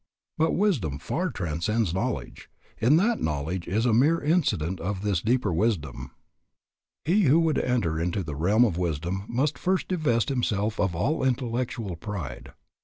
But wisdom far transcends knowledge, in that knowledge is a mere incident of this deeper wisdom. He who would enter into the realm of wisdom must first divest himself of all intellectual pride.